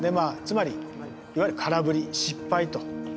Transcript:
つまりいわゆる空振り失敗と。